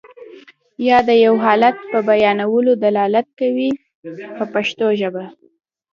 یا د یو حالت په بیانولو دلالت کوي په پښتو ژبه.